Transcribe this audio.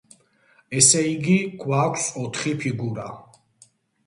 ესე იგი, გვაქვს ოთხი ფიგურა.